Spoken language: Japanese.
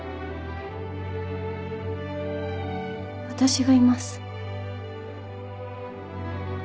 私がいます。